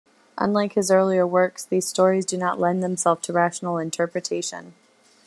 Unlike his earlier works, these stories do not lend themselves to rational interpretation.